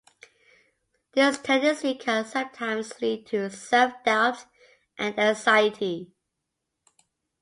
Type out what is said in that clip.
This tendency can sometimes lead to self-doubt and anxiety.